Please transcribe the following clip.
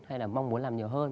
hay là mong muốn làm nhiều hơn